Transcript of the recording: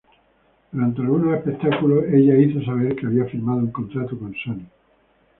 Durante algunos espectáculos, ella hizo saber que había firmado un contrato con Sony.